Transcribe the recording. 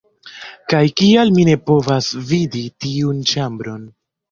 Kaj kial mi ne povas vidi tiun ĉambron?!